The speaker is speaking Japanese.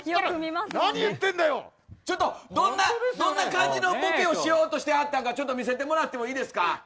どんな感じのボケをしようとしてはったのか見せてもらってもいいですか？